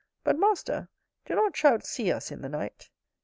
But, master, do not Trouts see us in the night?